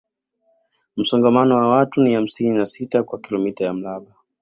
Msongamano wa watu ni hamsini na sita kwa kilomita ya mraba